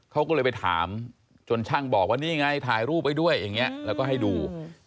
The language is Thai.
เขาก็เลยไปถามจนช่างบอกว่านี่ไงถ่ายรูปไว้ด้วยอย่างนี้แล้วก็ให้ดู